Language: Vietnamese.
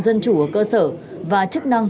dân chủ ở cơ sở và chức năng